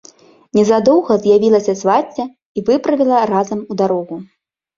Незадоўга з'явілася свацця і выправіла разам у дарогу.